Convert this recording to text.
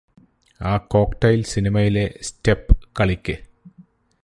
ആ കോക്ക്ട്ടൈൽ സിനിമയിലെ സ്റ്റെപ് കളിക്ക്